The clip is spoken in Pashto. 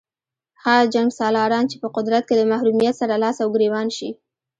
هغه جنګسالاران چې په قدرت کې له محرومیت سره لاس او ګرېوان شي.